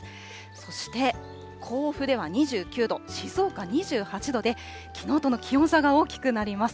そして甲府では２９度、静岡２８度で、きのうとの気温差が大きくなります。